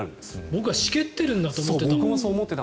僕はしけってるんだと思ってた。